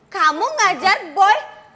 kamu ngajar boy